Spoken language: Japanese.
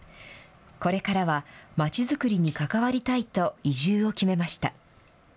これからは町づくりに関わりたいと移住を決めました。